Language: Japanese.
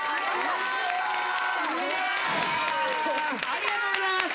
ありがとうございます！